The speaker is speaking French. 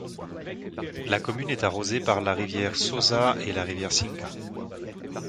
La commune est arrosée par la rivière Sosa et la rivière Cinca.